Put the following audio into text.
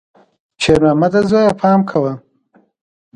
شېرمامده زویه، پام کوه!